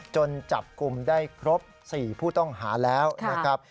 จนจับกลุ่มได้ครบ๔ผู้ต้องหาแล้วนะครับ